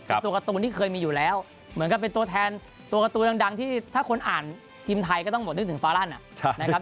เป็นตัวการ์ตูนที่เคยมีอยู่แล้วเหมือนกับเป็นตัวแทนตัวการ์ตูนดังที่ถ้าคนอ่านทีมไทยก็ต้องหมดนึกถึงฟาลั่นนะครับ